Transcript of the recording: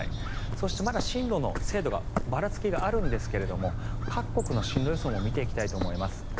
そして、まだ進路の精度がばらつきがあるんですが各国の進路予想も見ていきたいと思います。